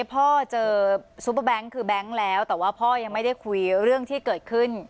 พ่อเจอซูเปอร์แบงค์คือแบงค์แล้วแต่ว่าพ่อยังไม่ได้คุยเรื่องที่เกิดขึ้น